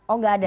oh gak ada